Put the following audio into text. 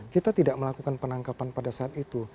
kita tidak melakukan penangkapan pada saat itu